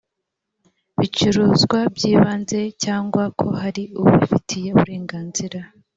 bicuruzwa by ibanze cyangwa ko hari ubifiteho uburenganzira